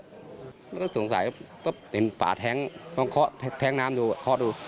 แล้วก็สงสัยก็เป็นป่าแท้งต้องเคาะแท้งน้ำดูเคาะดู